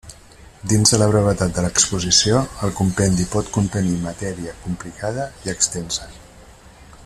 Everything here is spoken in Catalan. Dins de la brevetat de l'exposició, el compendi pot contenir matèria complicada i extensa.